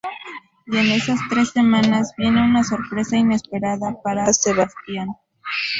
Y en esas tres semanas, viene una sorpresa inesperada para Sebastián.